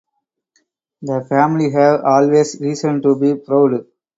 The family have always reason to be proud.